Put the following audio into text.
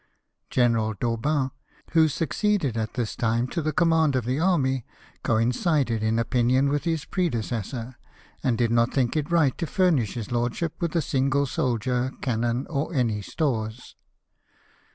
General d'Aubant, who succeeded at this time to the command of the army, coincided in opinion with his predecessor, and did not think it right to furnish his lordship with a single soldier, cannon, or any stores.